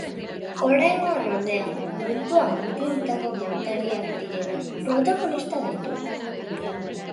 Oraingoan, ordea, munduan puntako kantariak direnak protagonista ditu.